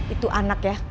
itu anak ya